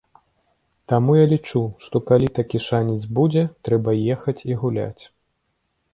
Таму я лічу, што калі такі шанец будзе, трэба ехаць і гуляць.